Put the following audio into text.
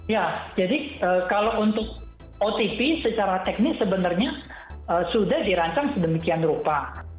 ya jadi kalau untuk otp secara teknis sebenarnya sudah dirancang sedemikian rupa